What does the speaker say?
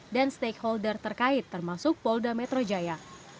dan stakeholder terkait termasuk polda metro jaya